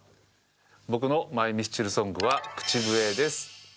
僕のマイミスチルソングは『口笛』です。